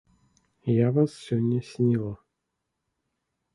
Я вас сёння сніла.